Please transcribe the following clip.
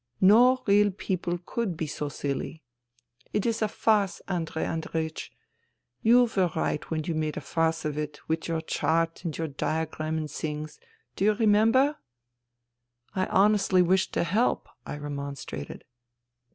No real people could be so silly. It is a farce, Andrei Andreiech. You were right when you made a farce of it then with your chart and diagram and things, do you remember ?"" I honestly wished to help," I remonstrated.